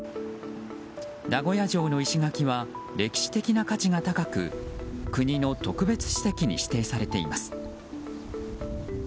名古屋城の石垣は歴史的な価値が高く国の特別史跡に指定されています。